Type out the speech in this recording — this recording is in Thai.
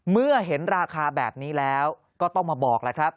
เมื่อเห็นราคาแบบนี้แล้วก็ต้องมาบอกแล้วครับ